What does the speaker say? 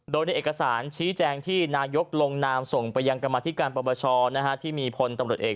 โดยในเอกสารชี้แจงที่นายกลงนามส่งไปยังกรรมธิการปปชที่มีพลตำรวจเอก